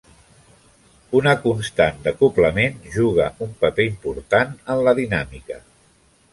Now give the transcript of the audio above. Una constant d'acoblament juga un paper important en la dinàmica.